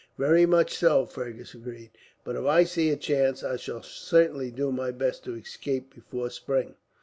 "Very much so," Fergus agreed. "But if I see a chance, I shall certainly do my best to escape before spring."